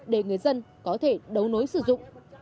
để người dân có thể đấu nối sử dụng